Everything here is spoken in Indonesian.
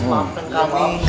sudah sudah gak apa apa